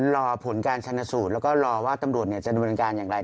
รอผลการชนสูตรแล้วก็รอว่าตำรวจจะดำเนินการอย่างไร